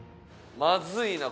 まずいな。